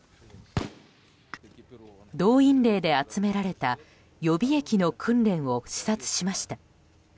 動員令で集められた予備役の訓練を視察しました。